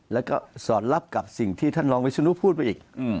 แล้วก็สอดรับกับสิ่งที่ท่านรองวิศนุพูดไปอีก